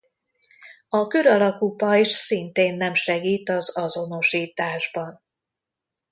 A kör alakú pajzs szintén nem segít az azonosításban.